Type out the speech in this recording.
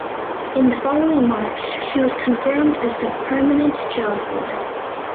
In the following March she was confirmed as the permanent job holder.